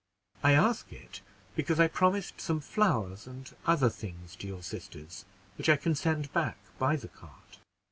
I ask it, because I promised some flowers and other things to your sisters, which I can send back by the cart."